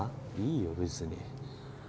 いいよ別に。